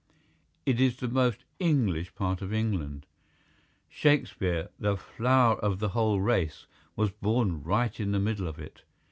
It is the most English part of England. Shakespeare, the flower of the whole race, was born right in the middle of it.